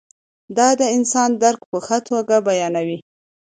دا د انسان درک په ښه توګه بیانوي.